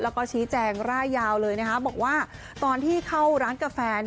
แล้วก็ชี้แจงร่ายยาวเลยนะคะบอกว่าตอนที่เข้าร้านกาแฟ